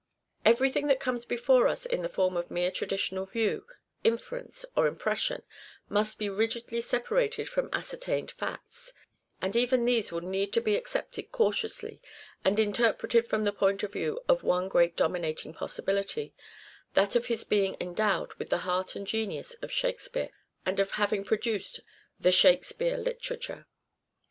Everything that comes before us in the form of mere traditional view, inference, or impression must be rigidly separated from ascertained facts ; and even these will need to be accepted cautiously and re interpreted from the point of view of one great dominating possibility — that of his being endowed with the heart and genius of Shakespeare and of having produced the Shakespeare literature.